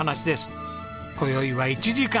今宵は１時間。